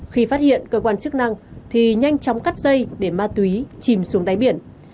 khi phát hiện cơ quan chức năng thì nhanh chóng cắt dây để ma túy chìm xuống đáy biển